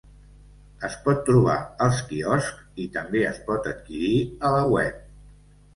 Es pot trobar als quioscs i també es pot adquirir a la web.